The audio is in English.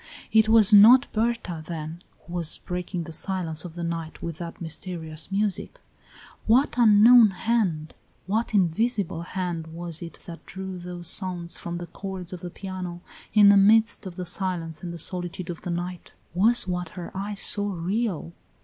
It was not Berta, then, who was breaking the silence of the night with that mysterious music. What unknown hand, what invisible hand was it that drew those sounds from the chords of the piano in the midst of the silence and the solitude of the night! Was what her eyes saw real!